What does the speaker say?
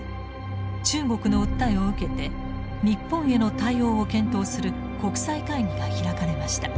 中国の訴えを受けて日本への対応を検討する国際会議が開かれました。